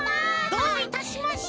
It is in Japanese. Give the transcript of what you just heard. どういたしまして。